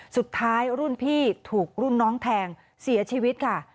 สุดท้ายรุ่นพี่ถูกรุ่นน้องแทงเสียชีวิตค่ะ